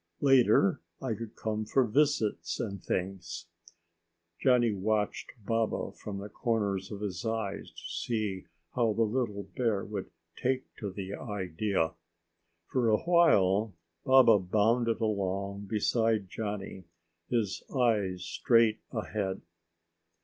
Later I could come for visits and things." Johnny watched Baba from the corners of his eyes to see how the little bear would take to the idea. For a while, Baba bounded along beside Johnny, his eyes straight ahead.